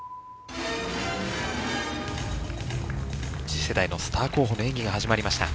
次世代のスター候補の演技が始まりました。